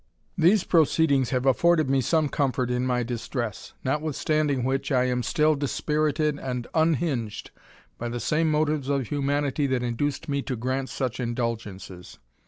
These proceedings have afforded me some comfort in my distress; notwithstanding which, I am still dispirited and unhinged by the same motives of humanity that induced me to grant such in* dulgences.